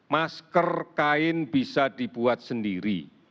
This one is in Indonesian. masker kain bisa dibuat sendiri